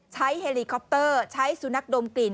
เฮลีคอปเตอร์ใช้สุนัขดมกลิ่น